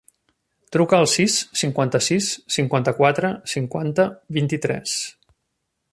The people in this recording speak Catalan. Truca al sis, cinquanta-sis, cinquanta-quatre, cinquanta, vint-i-tres.